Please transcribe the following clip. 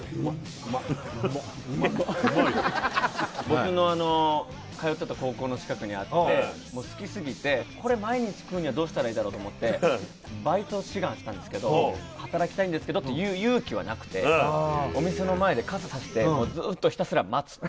僕のあの通ってた高校の近くにあってもう好きすぎてこれ毎日食うにはどうしたらいいだろうと思ってバイトを志願したんですけど「働きたいんですけど」っていう勇気はなくてお店の前で傘さしてはい